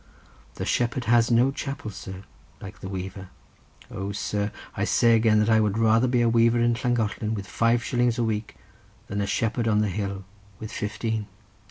The shepherd has no chapel, sir, like the weaver. Oh, sir, I say again that I would rather be a weaver in Llangollen with five shillings a week, than a shepherd on the hill with fifteen."